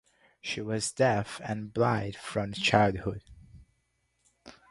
She was deaf and blind from childhood.